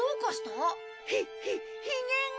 ひひひげが。